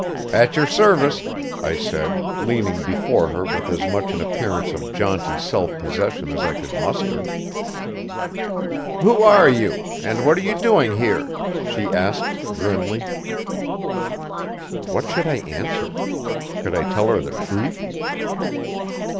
"At your service," I said, leaning before her with as much an appearance of jaunty self possession as I could muster. "Who are you, and what are you doing here?" she asked grimly. What should I answer? Could I tell her the truth?